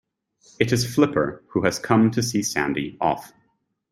It is Flipper, who has come to see Sandy off.